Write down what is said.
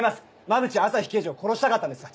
馬淵朝陽刑事を殺したかったんですか？